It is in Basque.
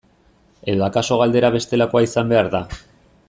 Edo akaso galdera bestelakoa izan behar da.